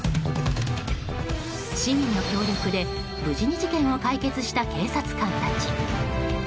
市民の協力で、無事に事件を解決した警察官たち。